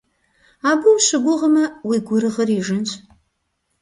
Абы ущыгугъмэ, уи гурыгъыр ижынщ.